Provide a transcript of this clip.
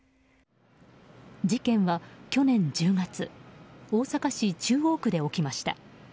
事件は去年１０月大阪市中央区で起きました。